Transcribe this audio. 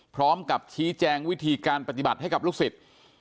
พร้อมกับชี้แจงวิธีการปฏิบัติให้กับลูกศิษย์